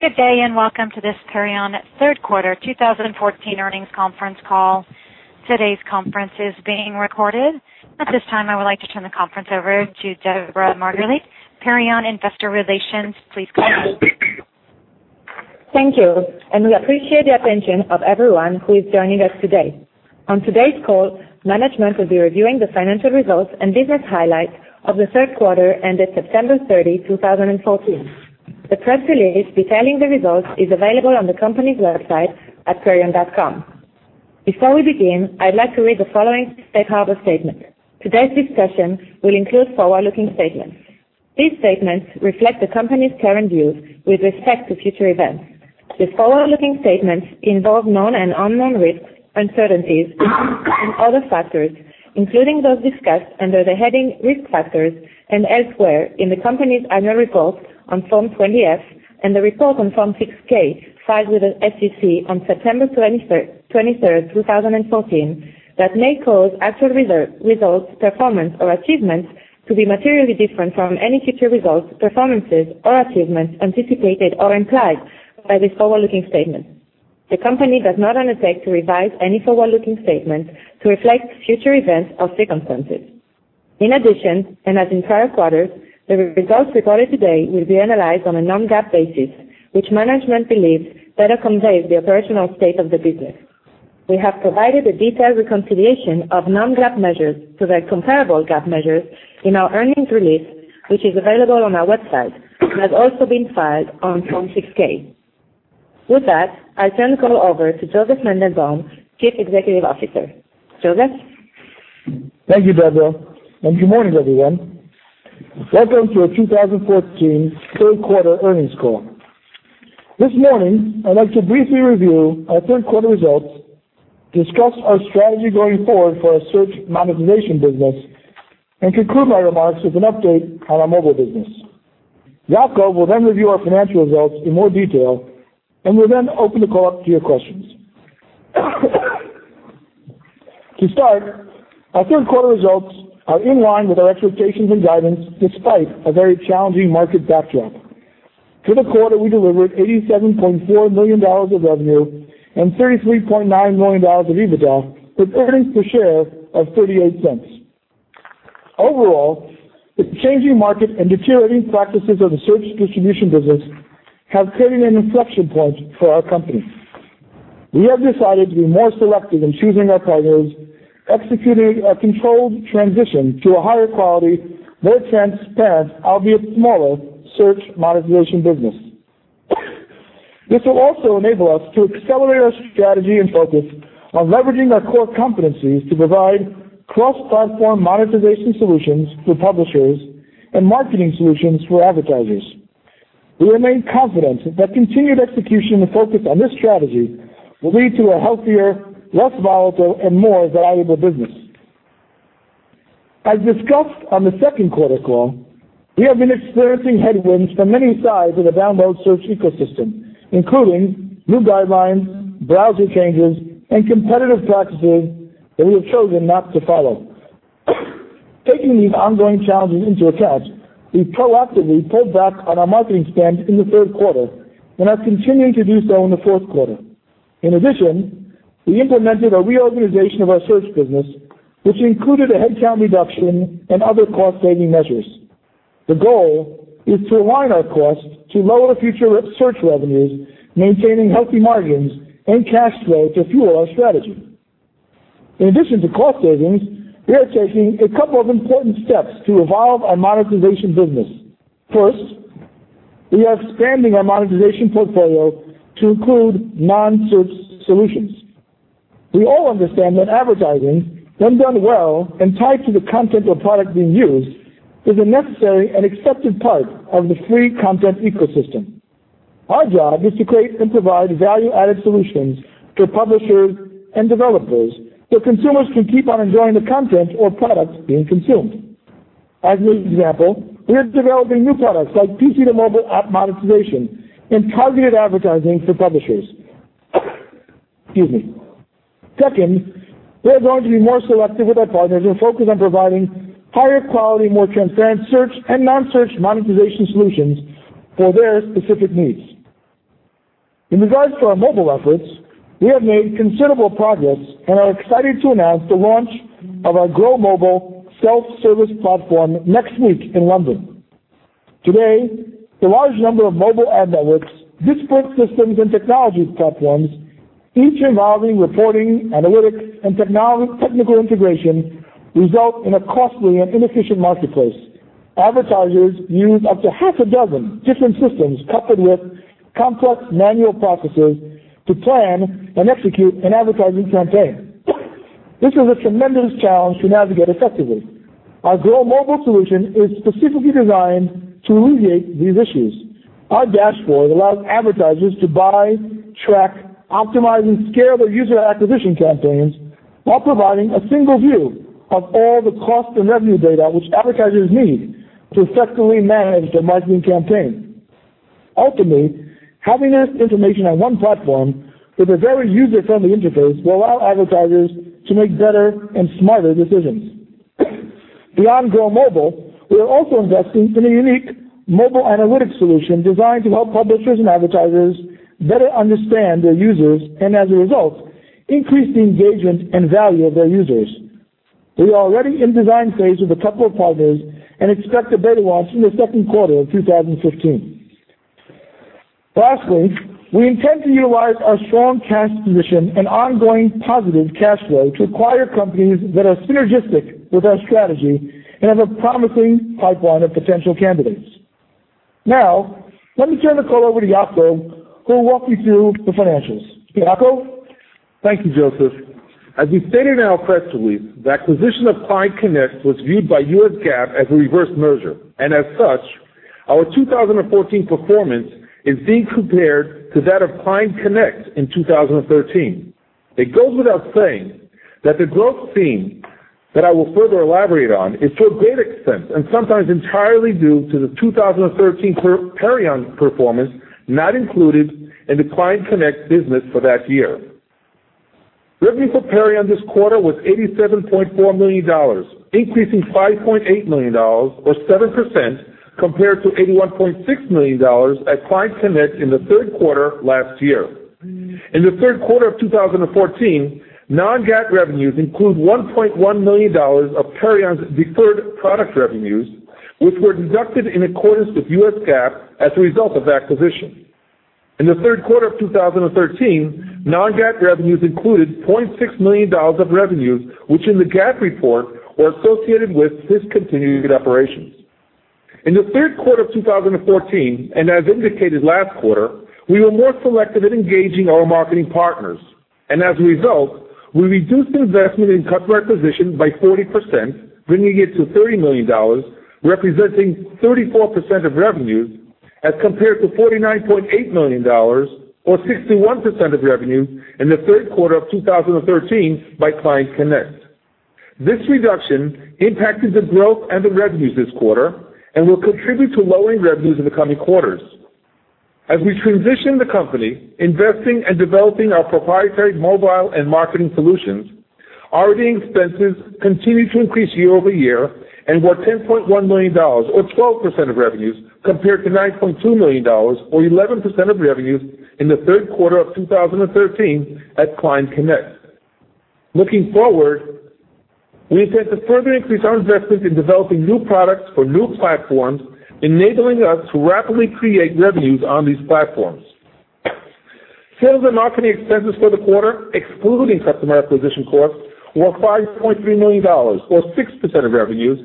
Good day, and welcome to this Perion third quarter 2014 earnings conference call. Today's conference is being recorded. At this time, I would like to turn the conference over to Deborah Margalit, Perion Investor Relations. Please go ahead. Thank you. We appreciate the attention of everyone who is joining us today. On today's call, management will be reviewing the financial results and business highlights of the third quarter ended September 30, 2014. The press release detailing the results is available on the company's website at perion.com. Before we begin, I'd like to read the following safe harbor statement. Today's discussion will include forward-looking statements. These statements reflect the company's current views with respect to future events. The forward-looking statements involve known and unknown risks, uncertainties, and other factors, including those discussed under the heading, "Risk Factors" and elsewhere in the company's annual report on Form 20-F and the report on Form 6-K filed with the SEC on September 23rd, 2014 that may cause actual results, performance, or achievements to be materially different from any future results, performances, or achievements anticipated or implied by these forward-looking statements. The company does not undertake to revise any forward-looking statements to reflect future events or circumstances. In addition, as in prior quarters, the results reported today will be analyzed on a non-GAAP basis, which management believes better conveys the operational state of the business. We have provided a detailed reconciliation of non-GAAP measures to the comparable GAAP measures in our earnings release, which is available on our website and has also been filed on Form 6-K. With that, I turn the call over to Josef Mandelbaum, Chief Executive Officer. Joseph? Thank you, Deborah. Good morning, everyone. Welcome to our 2014 third quarter earnings call. This morning, I'd like to briefly review our third quarter results, discuss our strategy going forward for our search monetization business, and conclude my remarks with an update on our mobile business. Yaakov will then review our financial results in more detail. We'll then open the call up to your questions. To start, our third quarter results are in line with our expectations and guidance, despite a very challenging market backdrop. For the quarter, we delivered $87.4 million of revenue and $33.9 million of EBITDA, with earnings per share of $0.38. Overall, the changing market and deteriorating practices of the search distribution business have created an inflection point for our company. We have decided to be more selective in choosing our partners, executing a controlled transition to a higher quality, more transparent, albeit smaller, search monetization business. This will also enable us to accelerate our strategy and focus on leveraging our core competencies to provide cross-platform monetization solutions for publishers and marketing solutions for advertisers. We remain confident that continued execution and focus on this strategy will lead to a healthier, less volatile, and more valuable business. As discussed on the second quarter call, we have been experiencing headwinds from many sides of the download search ecosystem, including new guidelines, browser changes, and competitive practices that we have chosen not to follow. Taking these ongoing challenges into account, we've proactively pulled back on our marketing spend in the third quarter and are continuing to do so in the fourth quarter. We implemented a reorganization of our search business, which included a headcount reduction and other cost-saving measures. The goal is to align our costs to lower future search revenues, maintaining healthy margins and cash flow to fuel our strategy. In addition to cost savings, we are taking a couple of important steps to evolve our monetization business. First, we are expanding our monetization portfolio to include non-search solutions. We all understand that advertising, when done well and tied to the content or product being used, is a necessary and accepted part of the free content ecosystem. Our job is to create and provide value-added solutions to publishers and developers so consumers can keep on enjoying the content or products being consumed. As an example, we are developing new products like PC to mobile app monetization and targeted advertising for publishers. Excuse me. We are going to be more selective with our partners and focus on providing higher quality, more transparent search and non-search monetization solutions for their specific needs. In regards to our mobile efforts, we have made considerable progress and are excited to announce the launch of our Grow Mobile self-service platform next week in London. Today, the large number of mobile ad networks, disparate systems, and technologies platforms, each involving reporting, analytics, and technical integration, result in a costly and inefficient marketplace. Advertisers use up to half a dozen different systems coupled with complex manual processes to plan and execute an advertising campaign. This is a tremendous challenge to navigate effectively. Our Grow Mobile solution is specifically designed to alleviate these issues. Our dashboard allows advertisers to buy, track, optimize, and scale their user acquisition campaigns while providing a single view of all the cost and revenue data which advertisers need to successfully manage their marketing campaign. Ultimately, having this information on one platform with a very user-friendly interface will allow advertisers to make better and smarter decisions. Beyond Grow Mobile, we are also investing in a unique mobile analytics solution designed to help publishers and advertisers better understand their users, and as a result, increase the engagement and value of their users. We are already in the design phase with a couple of partners and expect a beta launch in the second quarter of 2015. We intend to utilize our strong cash position and ongoing positive cash flow to acquire companies that are synergistic with our strategy and have a promising pipeline of potential candidates. Now, let me turn the call over to Yacov, who will walk you through the financials. Yacov? Thank you, Josef. As we stated in our press release, the acquisition of ClientConnect was viewed by U.S. GAAP as a reverse merger, and as such, our 2014 performance is being compared to that of ClientConnect in 2013. It goes without saying that the growth seen, that I will further elaborate on, is to a great extent, and sometimes entirely due to the 2013 Perion performance not included in the ClientConnect business for that year. Revenue for Perion this quarter was $87.4 million, increasing $5.8 million or 7% compared to $81.6 million at ClientConnect in the third quarter last year. In the third quarter of 2014, non-GAAP revenues include $1.1 million of Perion's deferred product revenues, which were deducted in accordance with U.S. GAAP as a result of acquisition. In the third quarter of 2013, non-GAAP revenues included $0.6 million of revenues, which in the GAAP report were associated with discontinued operations. In the third quarter of 2014, and as indicated last quarter, we were more selective in engaging our marketing partners. As a result, we reduced the investment in customer acquisition by 40%, bringing it to $30 million, representing 34% of revenues as compared to $49.8 million or 61% of revenues in the third quarter of 2013 by ClientConnect. This reduction impacted the growth and the revenues this quarter and will contribute to lowering revenues in the coming quarters. As we transition the company, investing and developing our proprietary mobile and marketing solutions, R&D expenses continue to increase year-over-year and were $10.1 million or 12% of revenues compared to $9.2 million or 11% of revenues in the third quarter of 2013 at ClientConnect. Looking forward, we intend to further increase our investments in developing new products for new platforms, enabling us to rapidly create revenues on these platforms. Sales and marketing expenses for the quarter, excluding customer acquisition costs, were $5.3 million or 6% of revenues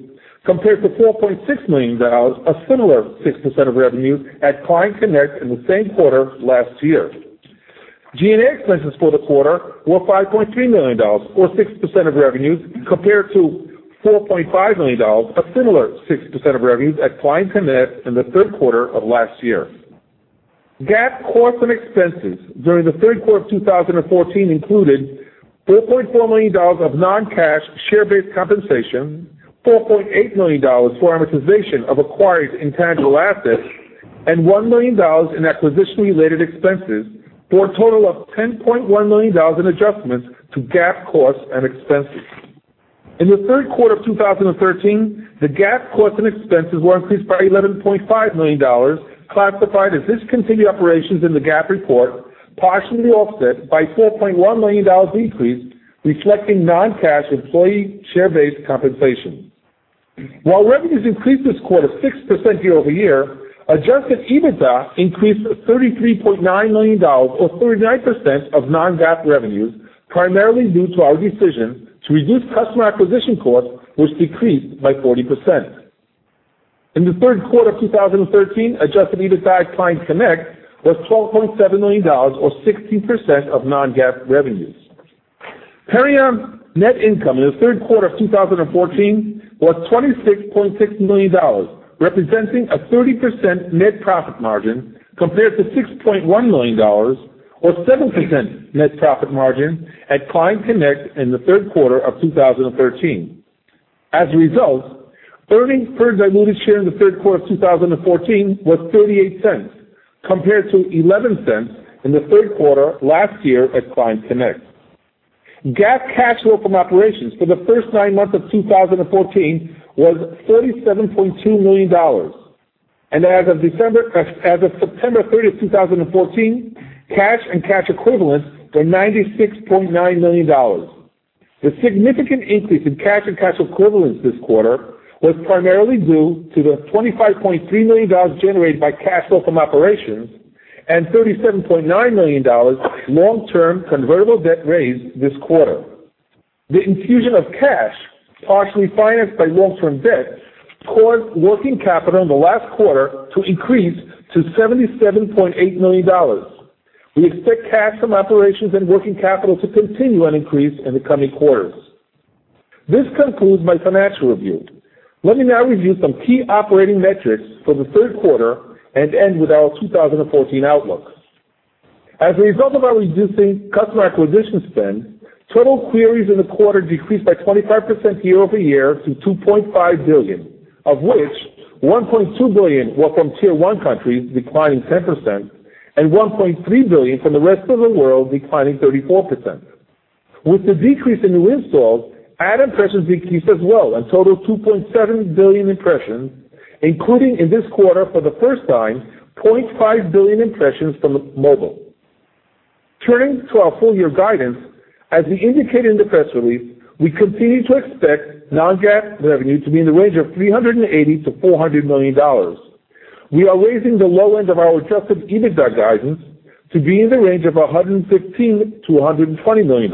compared to $4.6 million, a similar 6% of revenues at ClientConnect in the same quarter last year. G&A expenses for the quarter were $5.3 million or 6% of revenues compared to $4.5 million, a similar 6% of revenues at ClientConnect in the third quarter of last year. GAAP costs and expenses during the third quarter of 2014 included $4.4 million of non-cash share-based compensation, $4.8 million for amortization of acquired intangible assets, and $1 million in acquisition-related expenses for a total of $10.1 million in adjustments to GAAP costs and expenses. In the third quarter of 2013, the GAAP costs and expenses were increased by $11.5 million classified as discontinued operations in the GAAP report, partially offset by $4.1 million decreased, reflecting non-cash employee share-based compensation. While revenues increased this quarter 6% year-over-year, adjusted EBITDA increased to $33.9 million or 39% of non-GAAP revenues, primarily due to our decision to reduce customer acquisition costs, which decreased by 40%. In the third quarter of 2013, adjusted EBITDA at ClientConnect was $12.7 million or 16% of non-GAAP revenues. Perion net income in the third quarter of 2014 was $26.6 million, representing a 30% net profit margin compared to $6.1 million or 7% net profit margin at ClientConnect in the third quarter of 2013. As a result, earnings per diluted share in the third quarter of 2014 was $0.38 compared to $0.11 in the third quarter last year at ClientConnect. GAAP cash flow from operations for the first nine months of 2014 was $37.2 million. As of September 30th, 2014, cash and cash equivalents were $96.9 million. The significant increase in cash and cash equivalents this quarter was primarily due to the $25.3 million generated by cash flow from operations and $37.9 million long-term convertible debt raised this quarter. The infusion of cash, partially financed by long-term debt, caused working capital in the last quarter to increase to $77.8 million. We expect cash from operations and working capital to continue and increase in the coming quarters. This concludes my financial review. Let me now review some key operating metrics for the third quarter and end with our 2014 outlook. As a result of our reducing customer acquisition spend, total queries in the quarter decreased by 25% year-over-year to 2.5 billion, of which 1.2 billion were from Tier 1 countries, declining 10%. 1.3 billion from the rest of the world, declining 34%. With the decrease in new installs, ad impressions decreased as well, a total of 2.7 billion impressions, including in this quarter, for the first time, 0.5 billion impressions from mobile. Turning to our full year guidance, as we indicated in the press release, we continue to expect non-GAAP revenue to be in the range of $380 million-$400 million. We are raising the low end of our adjusted EBITDA guidance to be in the range of $115 million-$120 million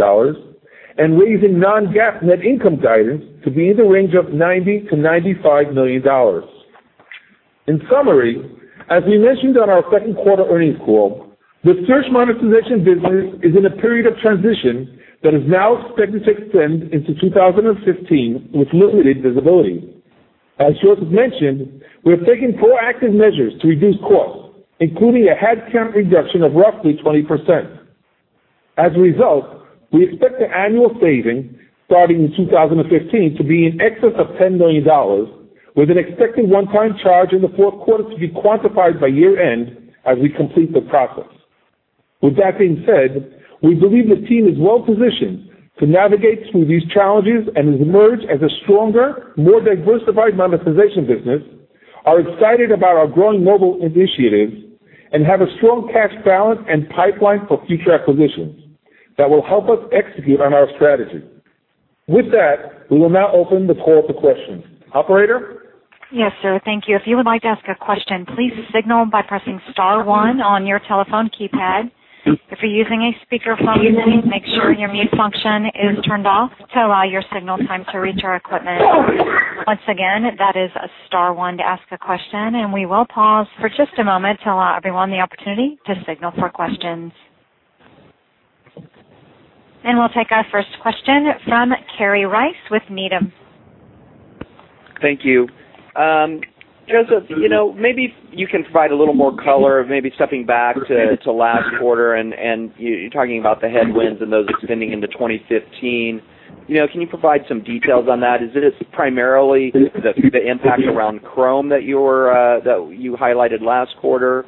and raising non-GAAP net income guidance to be in the range of $90 million-$95 million. In summary, as we mentioned on our second quarter earnings call, the search monetization business is in a period of transition that is now expected to extend into 2015 with limited visibility. As Josef mentioned, we are taking proactive measures to reduce costs, including a headcount reduction of roughly 20%. As a result, we expect an annual saving starting in 2015 to be in excess of $10 million, with an expected one-time charge in the fourth quarter to be quantified by year-end as we complete the process. With that being said, we believe the team is well-positioned to navigate through these challenges and has emerged as a stronger, more diversified monetization business, are excited about our growing mobile initiatives, and have a strong cash balance and pipeline for future acquisitions that will help us execute on our strategy. With that, we will now open the call to questions. Operator? Yes, sir. Thank you. If you would like to ask a question, please signal by pressing star one on your telephone keypad. If you're using a speakerphone, please make sure your mute function is turned off to allow your signal time to reach our equipment. Once again, that is star one to ask a question. We will pause for just a moment to allow everyone the opportunity to signal for questions. We'll take our first question from Kerry Rice with Needham. Thank you. Josef, maybe you can provide a little more color, maybe stepping back to last quarter and you talking about the headwinds and those extending into 2015. Can you provide some details on that? Is it primarily the impact around Chrome that you highlighted last quarter,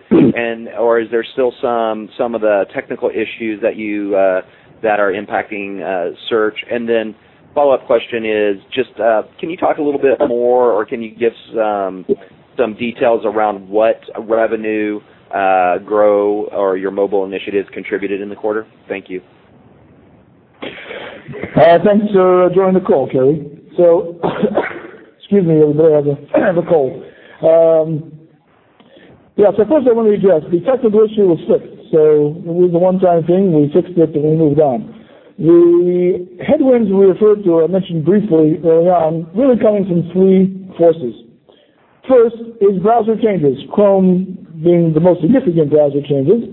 or is there still some of the technical issues that are impacting search? Follow-up question is just, can you talk a little bit more or can you give some details around what GrowMobile initiatives contributed in the quarter? Thank you. Thanks for joining the call, Kerry. Excuse me, I have a cold. First, I want to address the technical issue with Flip. It was a one-time thing. We fixed it, and we moved on. The headwinds we referred to, I mentioned briefly earlier on, really coming from three forces. First is browser changes, Chrome being the most significant browser changes.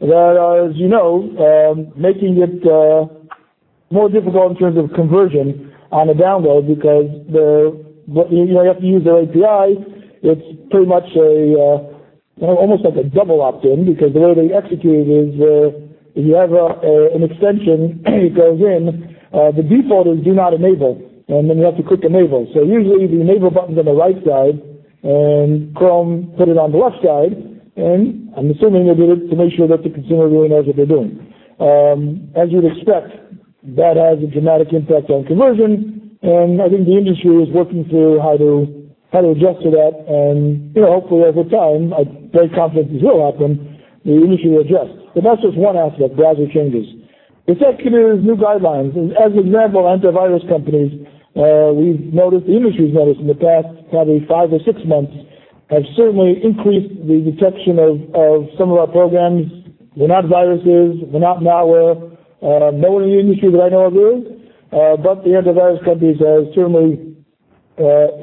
That are, as you know, making it more difficult in terms of conversion on a download, because you have to use their API. It's pretty much almost like a double opt-in, because the way they execute is, if you have an extension, it goes in. The default is do not enable, and then you have to click enable. Usually, the enable button's on the right side, and Chrome put it on the left side, and I'm assuming they did it to make sure that the consumer really knows what they're doing. As you'd expect, that has a dramatic impact on conversion, and I think the industry is working through how to adjust to that, and hopefully over time, I'm very confident this will happen, the industry will adjust. That's just one aspect, browser changes. The second is new guidelines. As with many other antivirus companies, we've noticed, the industry's noticed in the past probably five or six months, have certainly increased the detection of some of our programs. They're not viruses, they're not malware. Nobody in the industry that I know of is, but the antivirus companies have certainly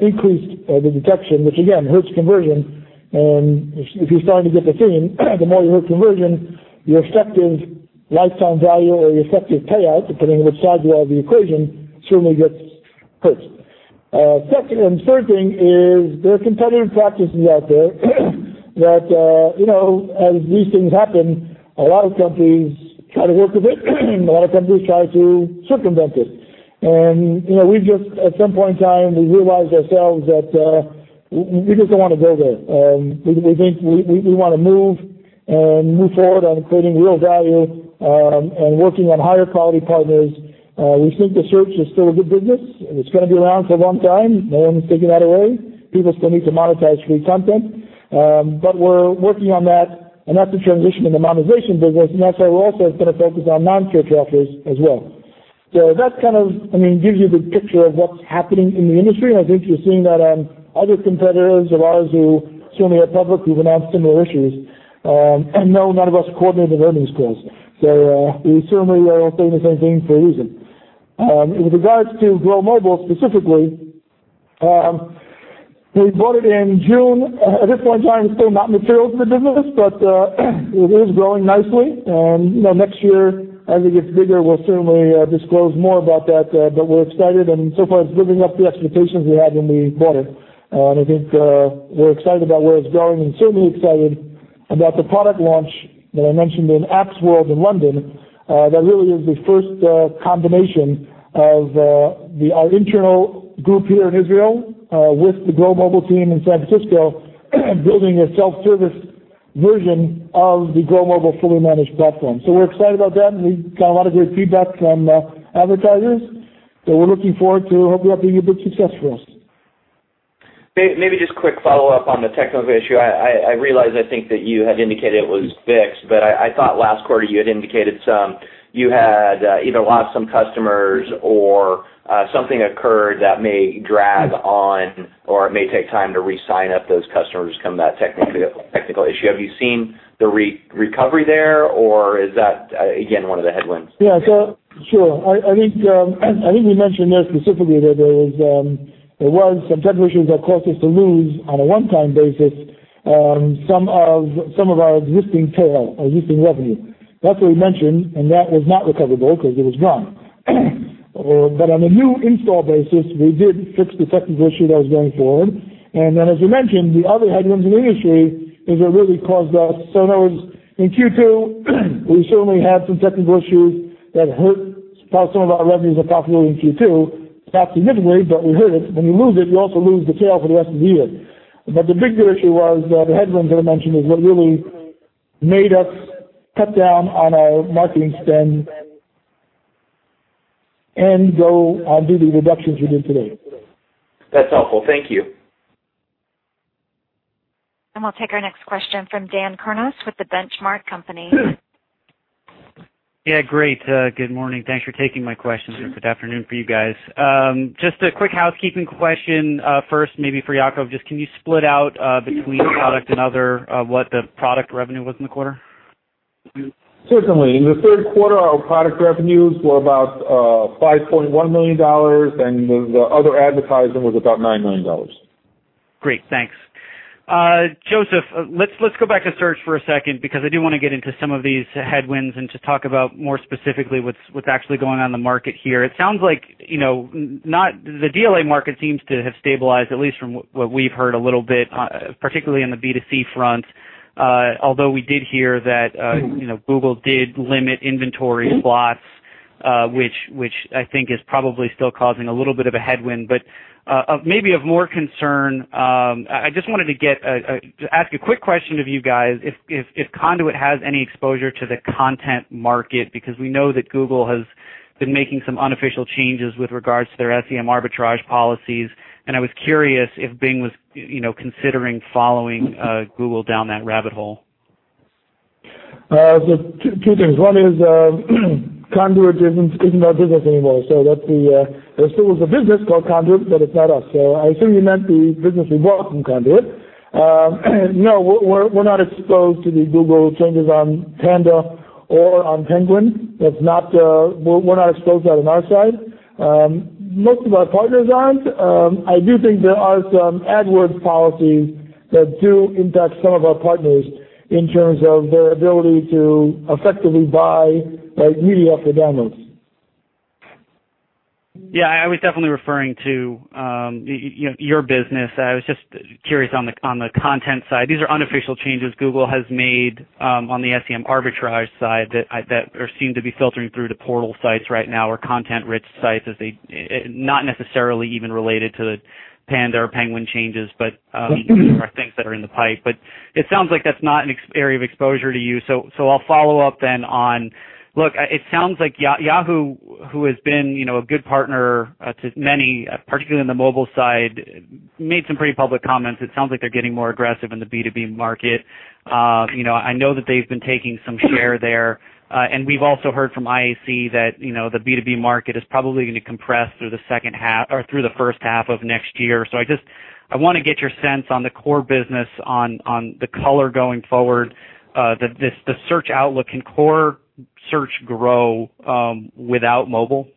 increased the detection, which again, hurts conversion. If you're starting to get the theme, the more you hurt conversion, your effective lifetime value or your effective payout, depending on which side you are of the equation, certainly gets hurt. Second and third thing is there are competitive practices out there that as these things happen, a lot of companies try to work with it. A lot of companies try to circumvent it. We just, at some point in time, we realized ourselves that we just don't want to go there. We think we want to move and move forward on creating real value and working on higher quality partners. We think the search is still a good business, and it's going to be around for a long time. No one's taking that away. People still need to monetize free content. We're working on that, and that's the transition in the monetization business, and that's why we're also going to focus on non-search offers as well. That kind of gives you the picture of what's happening in the industry, and I think you're seeing that other competitors of ours who certainly are public, who've announced similar issues. No, none of us coordinate on earnings calls. We certainly are all saying the same thing for a reason. In regards to Grow Mobile specifically, we bought it in June. At this point in time, it's still not material to the business, but it is growing nicely. Next year, as it gets bigger, we'll certainly disclose more about that. We're excited, and so far it's living up to the expectations we had when we bought it. I think we're excited about where it's going and certainly excited about the product launch that I mentioned in Apps World in London. That really is the first combination of our internal group here in Israel with the Grow Mobile team in San Francisco, building a self-service version of the GrowMobile fully managed platform. We're excited about that, and we've got a lot of great feedback from advertisers. We're looking forward to, hopefully, that being a big success for us. Maybe just quick follow-up on the technical issue. I realize, I think that you had indicated it was fixed, but I thought last quarter you had indicated some, you had either lost some customers or something occurred that may drag on or it may take time to re-sign up those customers coming back technical issue. Have you seen the recovery there, or is that, again, one of the headwinds? Yeah. Sure. I think we mentioned this specifically, that there was some technical issues that caused us to lose, on a one-time basis, some of our existing tail, our existing revenue. That's what we mentioned, and that was not recoverable because it was gone. On a new install basis, we did fix the technical issue that was going forward. As we mentioned, the other headwinds in the industry is what really caused us. In Q2, we certainly had some technical issues that hurt some of our revenues and profitability in Q2. It's not significant, but we hurt it. When you lose it, you also lose the tail for the rest of the year. The bigger issue was the headwinds that I mentioned is what really made us cut down on our marketing spend and go and do the reductions we did today. That's helpful. Thank you. We'll take our next question from Daniel Kurnos with The Benchmark Company. Yeah, great. Good morning. Thanks for taking my question. Or good afternoon for you guys. Just a quick housekeeping question first, maybe for Yacov. Just can you split out between product and other, what the product revenue was in the quarter? Certainly. In the third quarter, our product revenues were about $5.1 million. The other advertising was about $9 million. Great. Thanks. Josef, let's go back to search for a second, because I do want to get into some of these headwinds and to talk about more specifically what's actually going on in the market here. It sounds like the DLA market seems to have stabilized, at least from what we've heard a little bit, particularly on the B2C front. Although we did hear that. Google did limit inventory blocks, which I think is probably still causing a little bit of a headwind, but maybe of more concern. I just wanted to ask a quick question of you guys, if Conduit has any exposure to the content market, because we know that Google has been making some unofficial changes with regards to their SEM arbitrage policies. I was curious if Bing was considering following Google down that rabbit hole. Two things. One is, Conduit isn't our business anymore, there still is a business called Conduit, but it's not us. I assume you meant the business we bought from Conduit. No, we're not exposed to the Google changes on Panda or on Penguin. We're not exposed to that on our side. Most of our partners aren't. I do think there are some AdWords policies that do impact some of our partners in terms of their ability to effectively buy media for downloads. I was definitely referring to your business. I was just curious on the content side. These are unofficial changes Google has made on the SEM arbitrage side that seem to be filtering through to portal sites right now or content-rich sites, not necessarily even related to the Panda or Penguin changes. are things that are in the pipe. It sounds like that's not an area of exposure to you. I'll follow up then on, look, it sounds like Yahoo, who has been a good partner to many, particularly in the mobile side, made some pretty public comments. It sounds like they're getting more aggressive in the B2B market. I know that they've been taking some share there. We've also heard from IAC that the B2B market is probably going to compress through the first half of next year. I want to get your sense on the core business, on the color going forward, the search outlook. Can core search grow without mobile?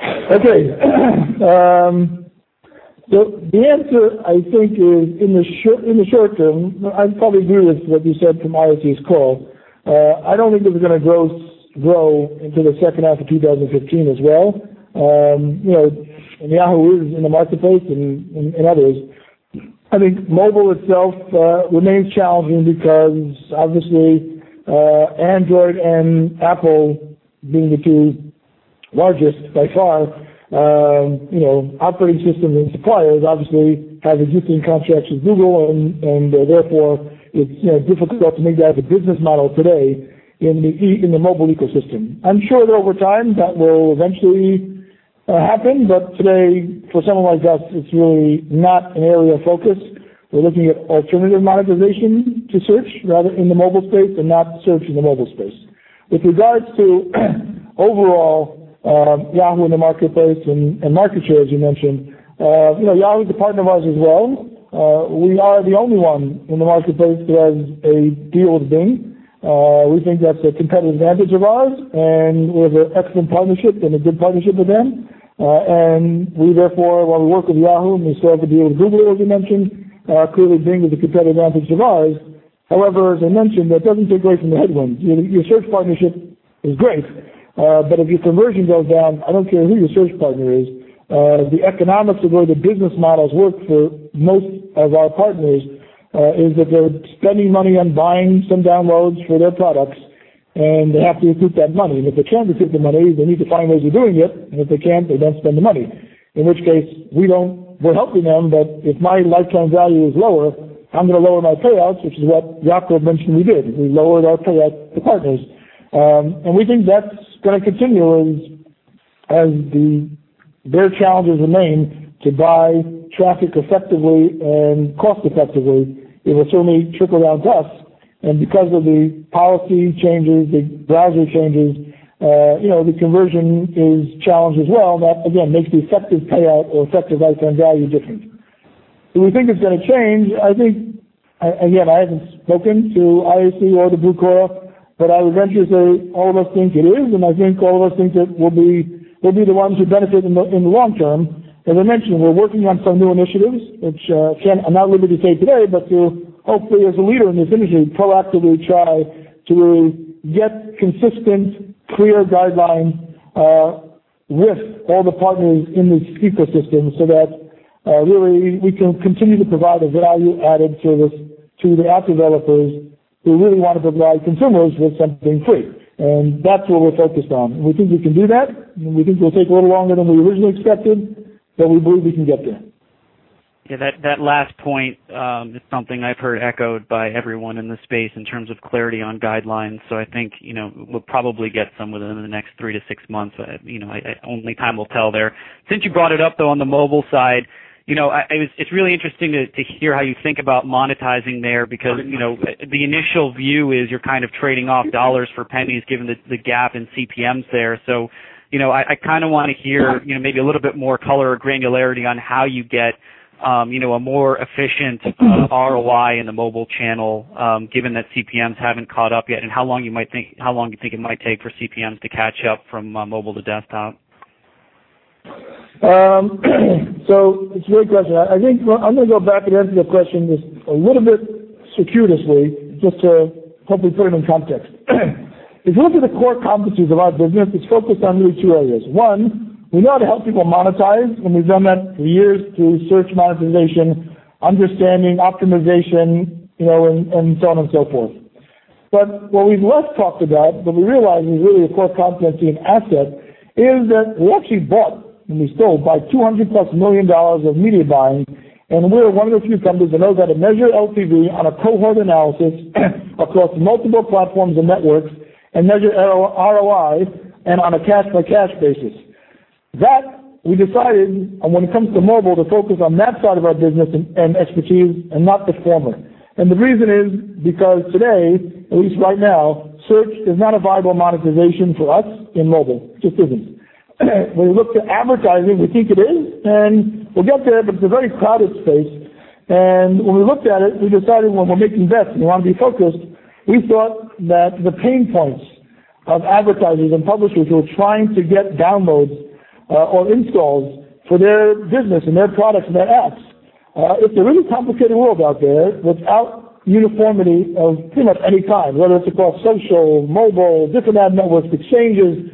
The answer, I think is, in the short term, I probably agree with what you said from IAC's call. I don't think it is going to grow into the second half of 2015 as well. Yahoo is in the marketplace and others. I think mobile itself remains challenging because, obviously, Android and Apple being the two largest, by far, operating systems and suppliers, obviously, have existing contracts with Google, and therefore, it's difficult for me to have a business model today in the mobile ecosystem. I'm sure that over time that will eventually happen, but today, for someone like us, it's really not an area of focus. We're looking at alternative monetization to search, rather, in the mobile space and not search in the mobile space. With regards to overall Yahoo in the marketplace and market share, as you mentioned, Yahoo is a partner of ours as well. We are the only one in the marketplace who has a deal with Bing. We think that's a competitive advantage of ours, and we have an excellent partnership and a good partnership with them. We, therefore, while we work with Yahoo and we still have the deal with Google, as you mentioned, clearly Bing is a competitive advantage of ours. As I mentioned, that doesn't take away from the headwinds. Your search partnership is great, but if your conversion goes down, I don't care who your search partner is. The economics of where the business models work for most of our partners is that they're spending money on buying some downloads for their products. They have to recoup that money. If they can't recoup the money, they need to find ways of doing it. If they can't, they don't spend the money, in which case, we're helping them, but if my lifetime value is lower, I'm going to lower my payouts, which is what Yacov mentioned we did. We lowered our payout to partners. We think that's going to continue as their challenges remain to buy traffic effectively and cost-effectively. It will certainly trickle down to us. Because of the policy changes, the browser changes, the conversion is challenged as well, and that, again, makes the effective payout or effective lifetime value different. We think it's going to change. Again, I haven't spoken to IAC or to Bluecore, but I would venture to say all of us think it is, and I think all of us think that we'll be the ones who benefit in the long term. As I mentioned, we're working on some new initiatives, which I'm not at liberty to say today, but to hopefully, as a leader in this industry, proactively try to get consistent, clear guidelines with all the partners in this ecosystem so that really, we can continue to provide a value-added service to the app developers who really want to provide consumers with something free. That's what we're focused on. We think we can do that, and we think it will take a little longer than we originally expected, but we believe we can get there. Yeah, that last point is something I've heard echoed by everyone in the space in terms of clarity on guidelines. I think we'll probably get some within the next 3 to 6 months. Only time will tell there. Since you brought it up, though, on the mobile side, it's really interesting to hear how you think about monetizing there because the initial view is you're kind of trading off dollars for pennies given the gap in CPMs there. I want to hear maybe a little bit more color or granularity on how you get a more efficient ROI in the mobile channel given that CPMs haven't caught up yet, and how long you think it might take for CPMs to catch up from mobile to desktop. It's a great question. I think I'm going to go back and answer your question just a little bit circuitously, just to hopefully put it in context. If you look at the core competencies of our business, it's focused on really two areas. One, we know how to help people monetize, and we've done that for years through search monetization, understanding optimization, and so on and so forth. What we've less talked about, but we realize is really a core competency and asset, is that we actually bought, and we still buy $200-plus million of media buying, and we are one of the few companies that knows how to measure LTV on a cohort analysis across multiple platforms and networks and measure ROI and on a cash-by-cash basis. That, we decided, when it comes to mobile, to focus on that side of our business and expertise and not the former. The reason is because today, at least right now, search is not a viable monetization for us in mobile. It just isn't. When we look to advertising, we think it is, and we'll get there, but it's a very crowded space. When we looked at it, we decided when we're making bets and we want to be focused, we thought that the pain points of advertisers and publishers who are trying to get downloads or installs for their business and their products and their apps. It's a really complicated world out there without uniformity of pretty much any kind, whether it's across social, mobile, different ad networks, exchanges.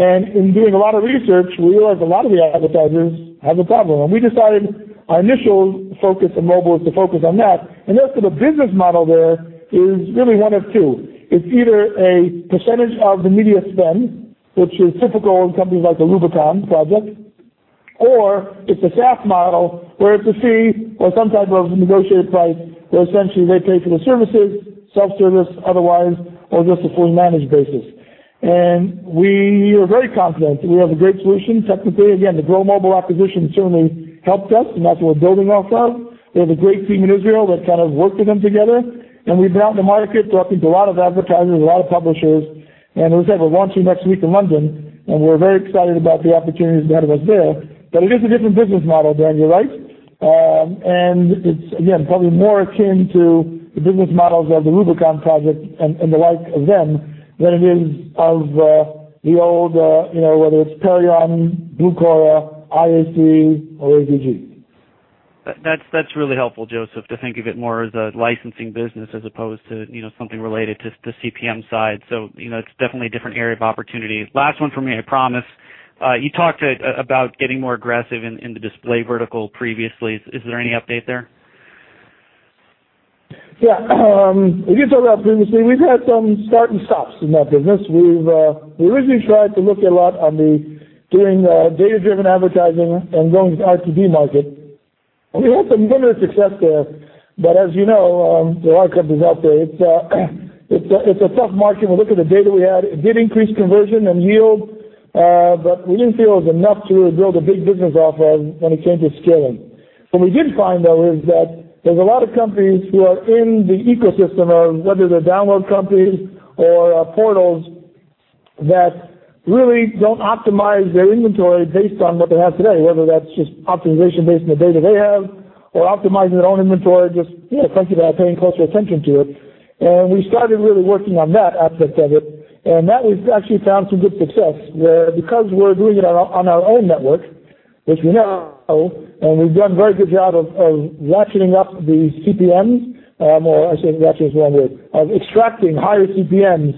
In doing a lot of research, we realize a lot of the advertisers have a problem. We decided our initial focus in mobile is to focus on that. Therefore, the business model there is really one of two. It's either a percentage of the media spend, which is typical in companies like the Rubicon Project, or it's a SaaS model where it's a fee or some type of negotiated price where essentially they pay for the services, self-service otherwise, or just a fully managed basis. We are very confident that we have a great solution technically. Again, the Grow Mobile acquisition certainly helped us, and that's what we're building off of. We have a great team in Israel that kind of worked with them together, and we've been out in the market talking to a lot of advertisers, a lot of publishers, and as I said, we're launching next week in London, and we're very excited about the opportunities ahead of us there. It is a different business model, Dan, you're right. It's, again, probably more akin to the business models of the Rubicon Project and the like of them than it is of the old, whether it's Perion, Bluecore, IAC or AVG. That's really helpful, Josef, to think of it more as a licensing business as opposed to something related to the CPM side. It's definitely a different area of opportunity. Last one from me, I promise. You talked about getting more aggressive in the display vertical previously. Is there any update there? Yeah. As you talked about previously, we've had some start and stops in that business. We originally tried to look a lot on the doing data-driven advertising and going into the RTB market. We had some limited success there. As you know, there are a lot of companies out there. It's a tough market. We look at the data we had. It did increase conversion and yield, but we didn't feel it was enough to really build a big business off of when it came to scaling. What we did find, though, is that there's a lot of companies who are in the ecosystem of whether they're download companies or portals that really don't optimize their inventory based on what they have today, whether that's just optimization based on the data they have or optimizing their own inventory, just frankly, by paying closer attention to it. We started really working on that aspect of it, and that we've actually found some good success there because we're doing it on our own network, which we know, and we've done a very good job of ratcheting up the CPMs, or I say ratcheting is the wrong word. Of extracting higher CPMs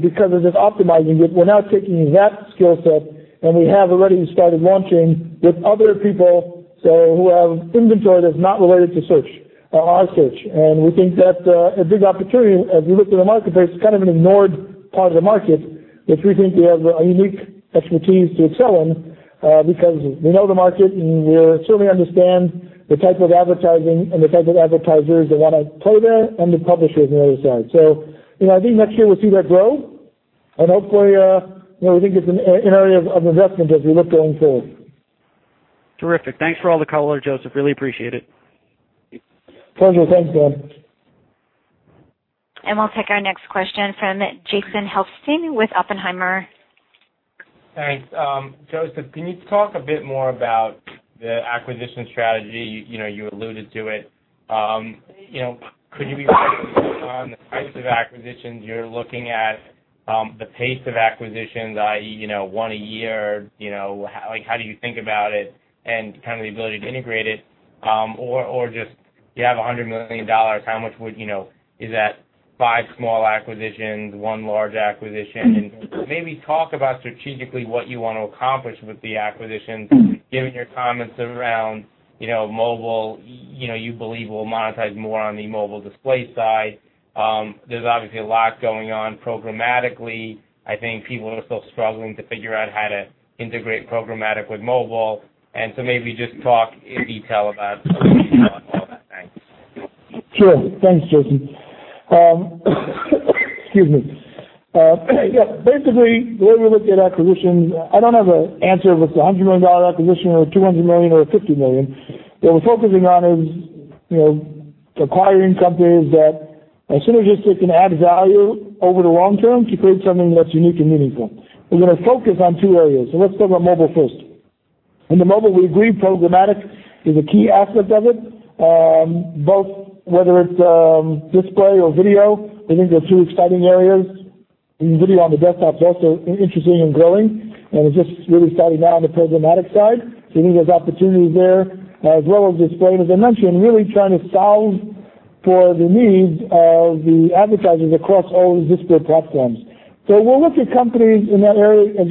because of just optimizing it. We're now taking that skill set, and we have already started launching with other people, so who have inventory that's not related to search. Our search, and we think that a big opportunity as we look to the marketplace, kind of an ignored part of the market, which we think we have a unique expertise to excel in, because we know the market, and we certainly understand the type of advertising and the type of advertisers that want to play there and the publishers on the other side. I think next year we'll see that grow and hopefully, we think it's an area of investment as we look going forward. Terrific. Thanks for all the color, Josef. Really appreciate it. Pleasure. Thanks, Dan. We'll take our next question from Jason Helfstein with Oppenheimer. Thanks. Josef, can you talk a bit more about the acquisition strategy? You alluded to it. Could you on the types of acquisitions you're looking at, the pace of acquisitions, i.e., one a year? Just, you have $100 million, how much? Is that five small acquisitions, one large acquisition? Maybe talk about strategically what you want to accomplish with the acquisitions, given your comments around mobile, you believe we'll monetize more on the mobile display side. There's obviously a lot going on programmatically. I think people are still struggling to figure out how to integrate programmatic with mobile, so maybe just talk in detail about how you feel on all that. Thanks. Sure. Thanks, Jason. Excuse me. Yeah, basically, the way we look at acquisitions, I don't have an answer if it's a $100 million acquisition or a $200 million or a $50 million. What we're focusing on is acquiring companies that are synergistic and add value over the long term to create something that's unique and meaningful. We're going to focus on two areas. Let's talk about mobile first. In the mobile, we agree programmatic is a key aspect of it, both whether it's display or video. We think they're two exciting areas, and video on the desktop is also interesting and growing, and is just really starting now on the programmatic side. We think there's opportunities there, as well as display. As I mentioned, really trying to solve for the needs of the advertisers across all the display platforms. As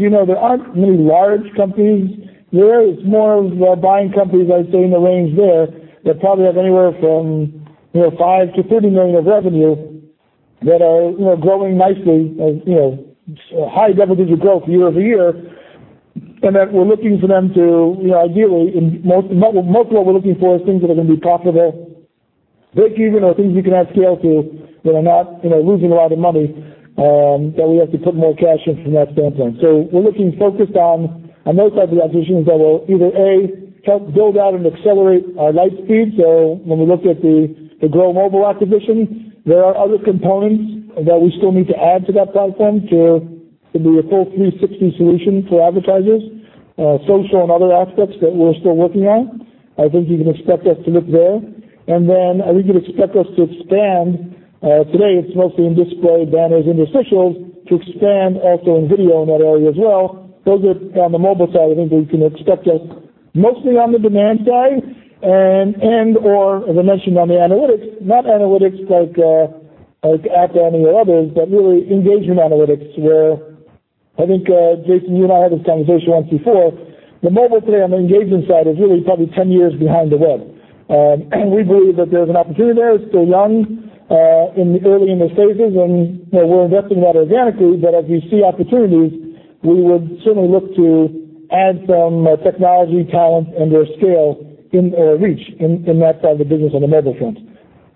you know, there aren't many large companies there. It's more of buying companies, I'd say, in the range there, that probably have anywhere from five to $50 million of revenue, that are growing nicely. High double-digit growth year-over-year. That we're looking for them to ideally, mostly what we're looking for is things that are going to be profitable, breakeven, or things we can add scale to that are not losing a lot of money, that we have to put more cash in from that standpoint. We're looking focused on those types of acquisitions that will either, A, help build out and accelerate our Lightspeed. When we looked at the Grow Mobile acquisition, there are other components that we still need to add to that platform to be a full 360 solution for advertisers. Social and other aspects that we're still working on. I think you can expect us to look there. Then I think you'd expect us to expand. Today it's mostly in display banners, interstitials, to expand also in video in that area as well. Those are on the mobile side. I think you can expect us mostly on the demand side and/or as I mentioned on the analytics. Not analytics like App Annie or others, but really engagement analytics, where I think, Jason, you and I had this conversation once before. The mobile play on the engagement side is really probably 10 years behind the web. We believe that there's an opportunity there. It's still young, in the early innest stages, we're investing that organically, but as we see opportunities, we would certainly look to add some technology talent and/or scale in our reach in that side of the business on the mobile front.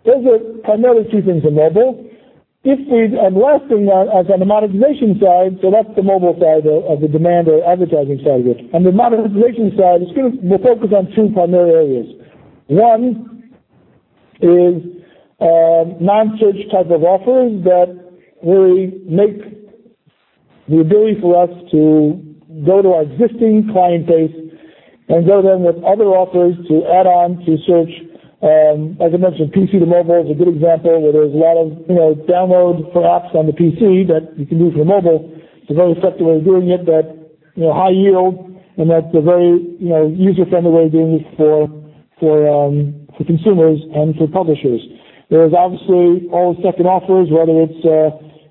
Those are primarily two things in mobile. Last thing on the monetization side, that's the mobile side of the demand or advertising side of it. On the monetization side, we'll focus on two primary areas. One is non-search type of offerings that really make the ability for us to go to our existing client base and go to them with other offers to add on to search. As I mentioned, PC to mobile is a good example, where there's a lot of download for apps on the PC that you can use for mobile. It's a very effective way of doing it that, high yield and that's a very user-friendly way of doing this for consumers and for publishers. There's obviously all second offers, whether it's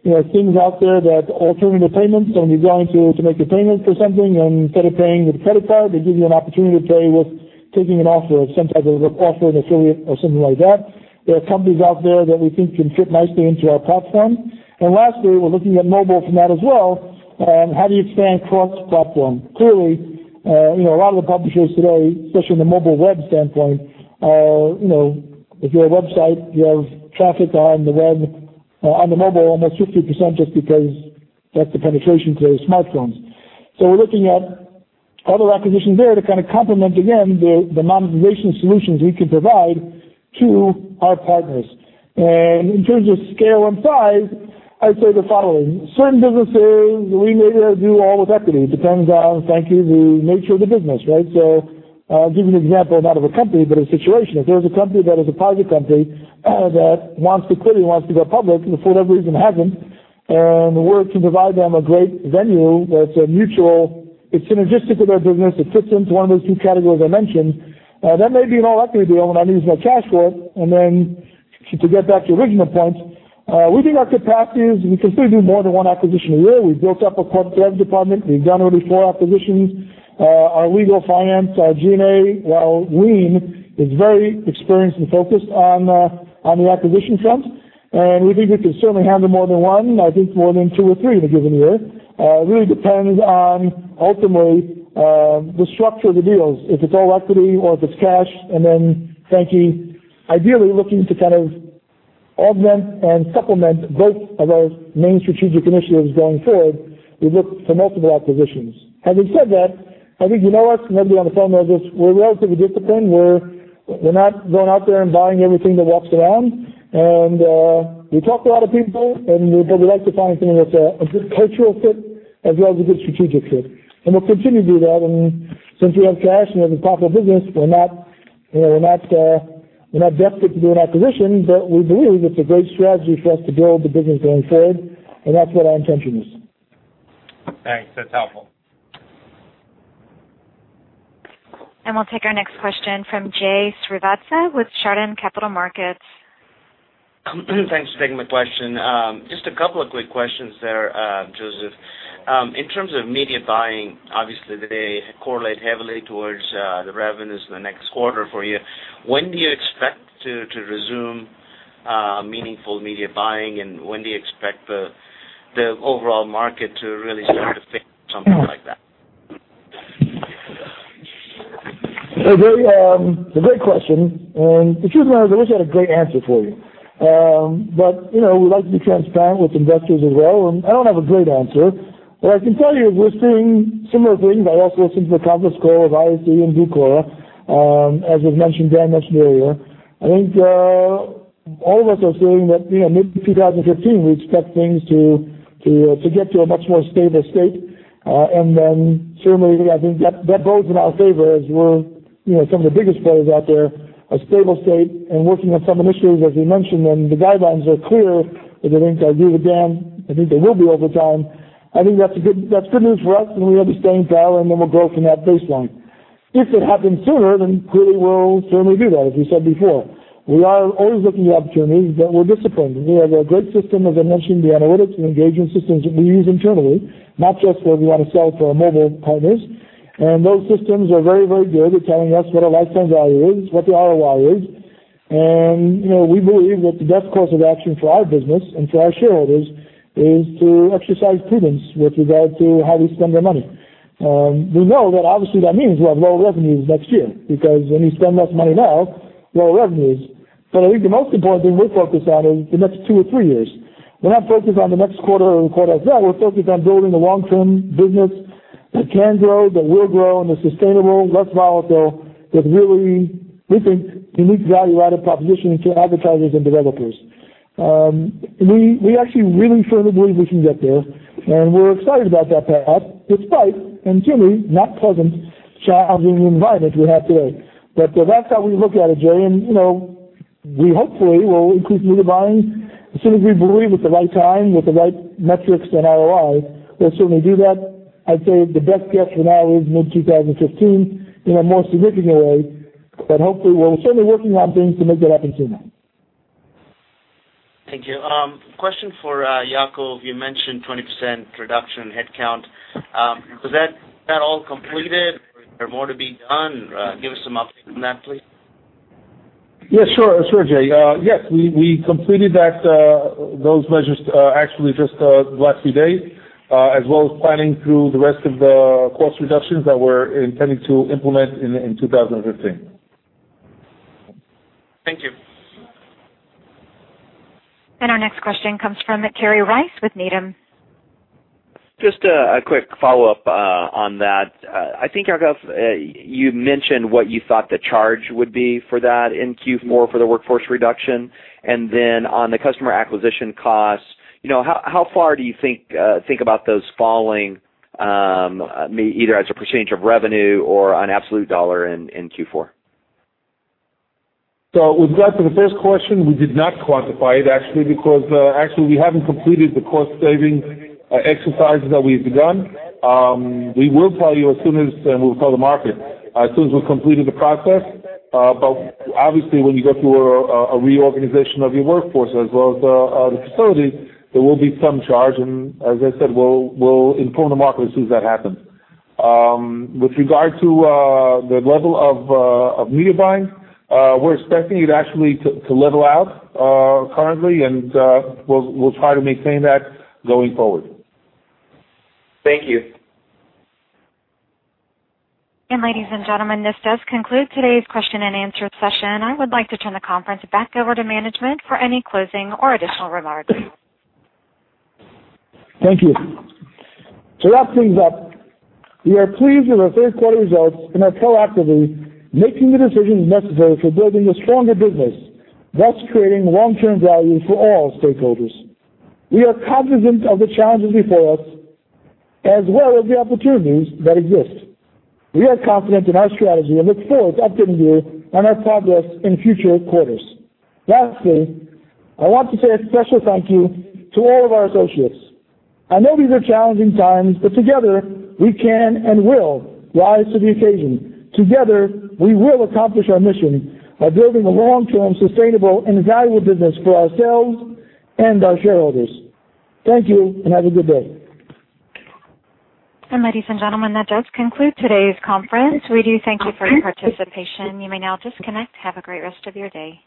things out there that alter your payments. When you're going to make your payment for something and instead of paying with a credit card, they give you an opportunity to pay with taking an offer of some type of offer, an affiliate or something like that. There are companies out there that we think can fit nicely into our platform. Lastly, we're looking at mobile from that as well. How do you expand cross-platform? Clearly, a lot of the publishers today, especially on the mobile web standpoint, if you're a website, you have traffic on the web, on the mobile, almost 50%, just because that's the penetration today of smartphones. We're looking at other acquisitions there to complement again, the monetization solutions we can provide to our partners. In terms of scale and size, I'd say the following. Certain businesses, we may do all with equity. It depends on, thank you, the nature of the business, right? I'll give you an example, not of a company, but a situation. If there's a company that is a private company that wants to, clearly wants to go public and for whatever reason hasn't, and we can provide them a great venue that's a mutual, it's synergistic with our business, it fits into one of those 2 categories I mentioned. That may be an all-equity deal and I need some more cash for it. To get back to your original point. We think our capacity is we can still do more than one acquisition a year. We've built up a corporate dev department. We've done already four acquisitions. Our legal finance, our G&A, while lean, is very experienced and focused on the acquisition front. We think we can certainly handle more than one, I think more than two or three in a given year. It really depends on ultimately, the structure of the deals, if it's all equity or if it's cash. Frankly, ideally looking to kind of augment and supplement both of our main strategic initiatives going forward. We look for multiple acquisitions. Having said that, I think you know us, and everybody on the phone knows this, we're relatively disciplined. We're not going out there and buying everything that walks around. We talk to a lot of people, we like to find something that's a good cultural fit as well as a good strategic fit. We'll continue to do that. Since we have cash and we have a profitable business, we're not desperate to do an acquisition. We believe it's a great strategy for us to build the business going forward. That's what our intention is. Thanks. That's helpful. We'll take our next question from Jay Srivatsa with Chardan Capital Markets. Thanks for taking my question. Just a couple of quick questions there, Josef. In terms of media buying, obviously they correlate heavily towards the revenues in the next quarter for you. When do you expect to resume meaningful media buying, and when do you expect the overall market to really start to fix something like that? Jay, it's a great question, and the truth is, I wish I had a great answer for you. We like to be transparent with investors as well, and I don't have a great answer. What I can tell you is we're seeing similar things. I also listened to the conference call of IAC and Viacom, as was mentioned, Dan mentioned earlier. I think all of us are seeing that mid-2015, we expect things to get to a much more stable state. Then certainly, I think that bodes in our favor as we're some of the biggest players out there, a stable state and working on some initiatives, as we mentioned, and the guidelines are clear. As I think I agree with Dan, I think they will be over time. I think that's good news for us, and we have a staying power, and then we'll grow from that baseline. If it happens sooner, then clearly we'll certainly do that, as we said before. We are always looking at opportunities, but we're disciplined, and we have a great system, as I mentioned, the analytics and engagement systems that we use internally, not just what we want to sell to our mobile partners. Those systems are very, very good at telling us what a lifetime value is, what the ROI is. We believe that the best course of action for our business and for our shareholders is to exercise prudence with regard to how we spend our money. We know that obviously that means we'll have lower revenues next year because when you spend less money now, lower revenues. I think the most important thing we're focused on is the next two or three years. We're not focused on the next quarter or quarter after that. We're focused on building a long-term business that can grow, that will grow, and is sustainable, less volatile, that really, we think, unique value-added proposition to advertisers and developers. We actually really firmly believe we can get there, and we're excited about that path, despite and certainly not pleasant, challenging environment we have today. That's how we look at it, Jay, and we hopefully will increase media buying as soon as we believe is the right time with the right metrics and ROI. We'll certainly do that. I'd say the best guess for now is mid-2015 in a more significant way. Hopefully, we're certainly working on things to make that happen sooner. Thank you. Question for Yacov. You mentioned 20% reduction in headcount. Was that all completed or is there more to be done? Give us some update on that, please. Yeah, sure, Jay. Yes, we completed those measures actually just the last few days, as well as planning through the rest of the cost reductions that we're intending to implement in 2015. Thank you. Our next question comes from Kerry Rice with Needham. Just a quick follow-up on that. I think, Yacov, you mentioned what you thought the charge would be for that in Q4 for the workforce reduction. Then on the customer acquisition costs, how far do you think about those falling, either as a percentage of revenue or on absolute $ in Q4? With regard to the first question, we did not quantify it actually because actually we haven't completed the cost-saving exercises that we've begun. We will tell you as soon as, and we'll tell the market, as soon as we've completed the process. Obviously, when you go through a reorganization of your workforce as well as the facility, there will be some charge, and as I said, we'll inform the market as soon as that happens. With regard to the level of media buying, we're expecting it actually to level out currently, and we'll try to maintain that going forward. Thank you. Ladies and gentlemen, this does conclude today's question-and-answer session. I would like to turn the conference back over to management for any closing or additional remarks. Thank you. To wrap things up, we are pleased with our third quarter results and are proactively making the decisions necessary for building a stronger business, thus creating long-term value for all stakeholders. We are cognizant of the challenges before us, as well as the opportunities that exist. We are confident in our strategy and look forward to updating you on our progress in future quarters. Lastly, I want to say a special thank you to all of our associates. I know these are challenging times, but together we can and will rise to the occasion. Together, we will accomplish our mission of building a long-term sustainable and valuable business for ourselves and our shareholders. Thank you, and have a good day. Ladies and gentlemen, that does conclude today's conference. We do thank you for your participation. You may now disconnect. Have a great rest of your day.